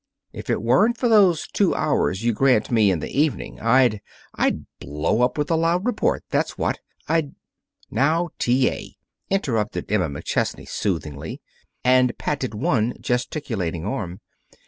If it weren't for those two hours you grant me in the evening, I'd I'd blow up with a loud report, that's what. I'd " "Now, now, T. A.!" interrupted Emma McChesney soothingly, and patted one gesticulating arm.